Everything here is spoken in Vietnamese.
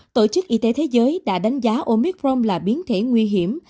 tổ chức y tế thế giới đã đánh giá omicrom là biến thể nguy hiểm